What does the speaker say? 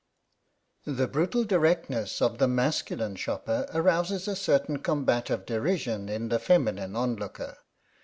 The brutal directness of the masculine shopper arouses a certain combative derision in the feminine onlooker.